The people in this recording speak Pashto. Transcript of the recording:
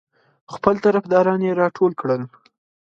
خپل طرفداران یې راټول کړل.